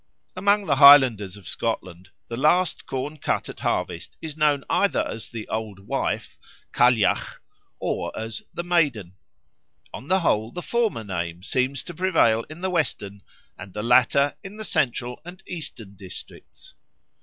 Among the Highlanders of Scotland the last corn cut at harvest is known either as the Old Wife (Cailleach) or as the Maiden; on the whole the former name seems to prevail in the western and the latter in the central and eastern districts.